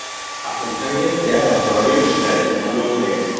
Accompanied there by Herodias, he died at an unknown date.